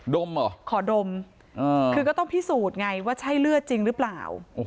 มเหรอขอดมคือก็ต้องพิสูจน์ไงว่าใช่เลือดจริงหรือเปล่า